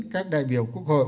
các đại biểu quốc hội